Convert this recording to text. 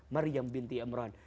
maryam binti imran